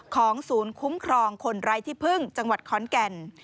ของศูนย์คุ้มครองคนไร้ที่พึ่งจังหวัดขอนแก่น